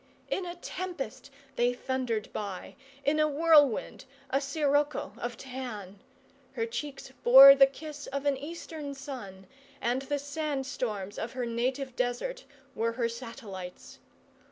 In a tempest they thundered by, in a whirlwind, a scirocco of tan; her cheeks bore the kiss of an Eastern sun, and the sand storms of her native desert were her satellites.